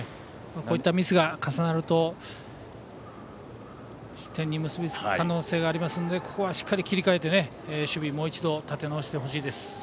こういったミスが重なると失点に結びつく可能性があるのでここはしっかり切り替えて守備をもう一度立て直してほしいです。